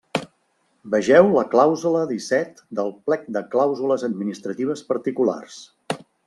Vegeu la clàusula disset del Plec de Clàusules Administratives Particulars.